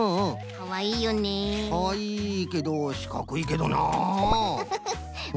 かわいいけどしかくいけどな。